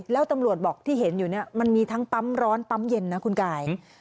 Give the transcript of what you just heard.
แล้วตำรวจบอกที่เห็นอยู่เนี่ยมันมีทั้งปั๊มร้อนปั๊มเย็นนะคุณกาย